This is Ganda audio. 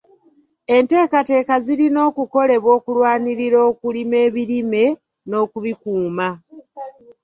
Enteekateeka zirina okukolebwa okulwanirira okulima ebirime n'okubikuuma.